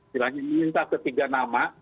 silahkan minta ketiga nama